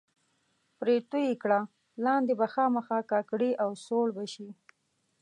پرې توی یې کړه، لاندې به خامخا کا کړي او سوړ به شي.